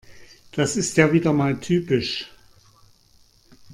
Das ist ja wieder mal typisch.